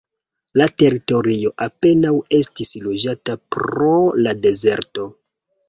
La teritorio apenaŭ estis loĝata pro la dezerto.